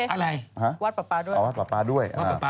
อะไรวัดป่าป๊าด้วยนะฮะวัดป่าป๊าด้วย